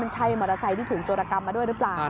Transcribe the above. ใช่มอเตอร์ไซค์ที่ถูกโจรกรรมมาด้วยหรือเปล่า